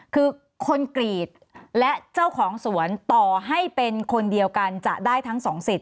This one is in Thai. คือคนกรีดและเจ้าของสวนต่อให้เป็นคนเดียวกันจะได้ทั้งสองสิทธิ